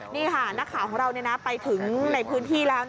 นี่ค่ะนักข่าวของเราไปถึงในพื้นที่แล้ว